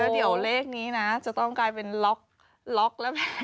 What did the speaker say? เดี๋ยวเลขนี้นะจะต้องกลายเป็นล็อกแล้ว